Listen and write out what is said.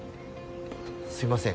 すいません。